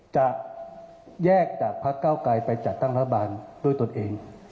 จะแยกจากพักเก้าไกลไปจัดตั้งรัฐบาลด้วยตนเอง